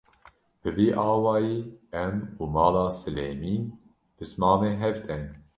bi vî awayî em û mala Silêmîn pismamê hev tên